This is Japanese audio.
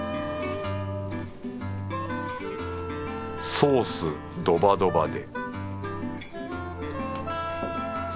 ソースドバドバで